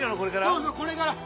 そうそうこれから。